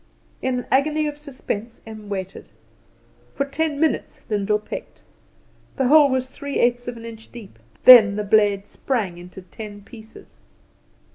In an agony of suspense Em waited. For ten minutes Lyndall pecked. The hole was three eighths of an inch deep then the blade sprung into ten pieces.